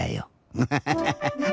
ウハハハハ。